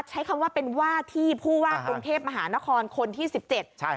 ใช้คำว่าเป็นว่าที่ผู้ว่ากรุงเทพมหานครคนที่สิบเจ็ดใช่